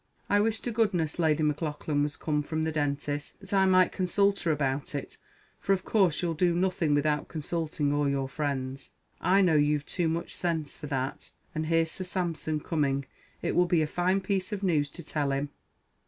I wish to goodness Lady Maclaughlan was come from the dentist's, that I might consult her about it; for of course, you'll do nothing without consulting all your friends I know you've too much sense for that. An here's Sir Sampson coming; it will be a fine piece of news to tell him."